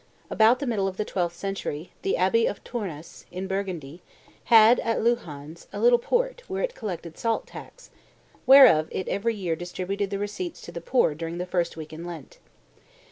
About the middle of the twelfth century, the abbey of Tournus, in Burgundy, had, at Louhans, a little port where it collected salt tax, whereof it every year distributed the receipts to the poor during the first week in Lent.